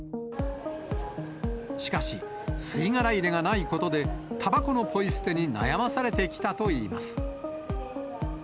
しかし、吸い殻入れがないことで、たばこのポイ捨てに悩まされてきたといいます。